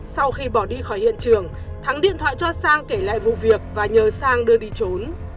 sau khi bỏ đi khỏi hiện trường thắng điện thoại cho sang kể lại vụ việc và nhờ sang đưa đi trốn